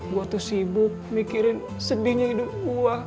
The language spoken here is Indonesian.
gue tuh sibuk mikirin sedihnya hidup gua